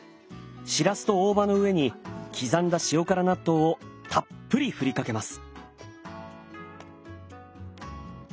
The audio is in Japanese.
しらすと大葉の上に刻んだ塩辛納豆をたっぷり振りかけます。